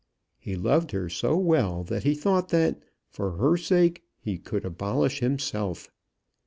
He loved her so well that he thought that, for her sake, he could abolish himself.